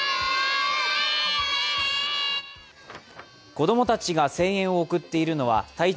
子供たちが声援を送っているのは体長